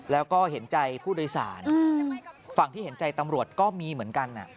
แล้วก็เห็นใจผู้โดยสารฝั่งที่เห็นใจตำรวจก็มีเหมือนกัน